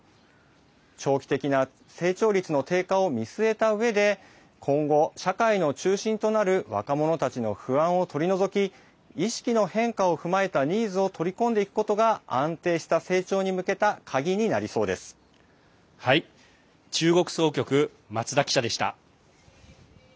長期的な成長率の低下を見据えたうえで今後、社会の中心となる若者たちの不安を取り除き意識の変化を踏まえたニーズを取り込んでいくことが安定した成長に向けたカギに中国総局、松田記者でした。